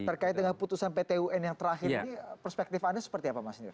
terkait dengan putusan pt un yang terakhir ini perspektif anda seperti apa mas nir